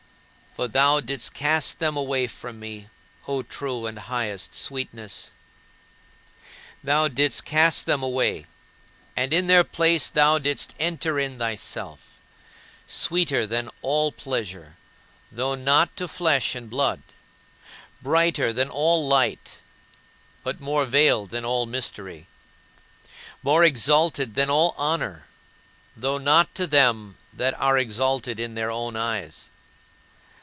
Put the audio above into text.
For thou didst cast them away from me, O true and highest Sweetness. Thou didst cast them away, and in their place thou didst enter in thyself sweeter than all pleasure, though not to flesh and blood; brighter than all light, but more veiled than all mystery; more exalted than all honor, though not to them that are exalted in their own eyes.